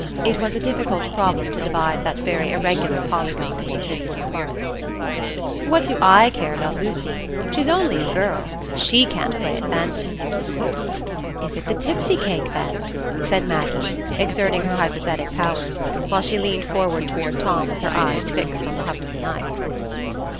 (It was a difficult problem to divide that very irregular polygon into two equal parts.) "What do I care about Lucy? She's only a girl,—she can't play at bandy." "Is it the tipsy cake, then?" said Maggie, exerting her hypothetic powers, while she leaned forward toward Tom with her eyes fixed on the hovering knife.